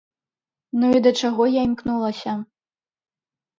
Ну і да чаго я імкнулася?